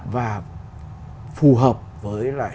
và phù hợp với lại